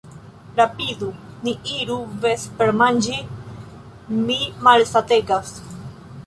Rapidu, ni iru vespermanĝi, mi malsategas.